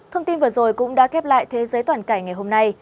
thông tin vừa rồi cũng đã khép lại thế giới toàn cảnh ngày hôm nay